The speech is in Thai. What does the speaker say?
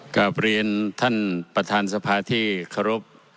กลับเรียนท่านประธานสภาที่เคารพ